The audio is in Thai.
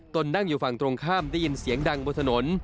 นั่งอยู่ฝั่งตรงข้ามได้ยินเสียงดังบนถนน